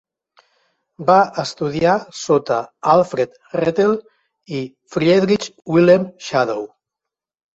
Va estudiar sota Alfred Rethel i Friedrich Wilhelm Schadow.